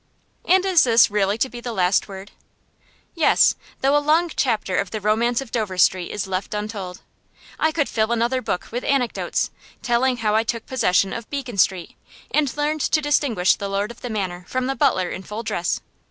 And is this really to be the last word? Yes, though a long chapter of the romance of Dover Street is left untold. I could fill another book with anecdotes, telling how I took possession of Beacon Street, and learned to distinguish the lord of the manor from the butler in full dress.